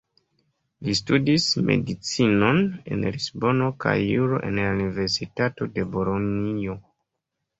Li studis medicinon en Lisbono kaj juro en la Universitato de Bolonjo.